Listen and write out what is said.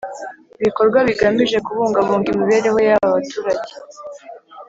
ibikorwa bigamije kubungabunga imibereho yaba turage